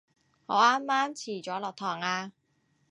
我啱啱遲咗落堂啊